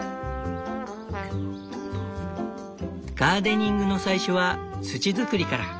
ガーデニングの最初は土づくりから。